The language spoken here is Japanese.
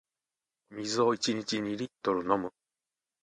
お水を一日二リットル飲む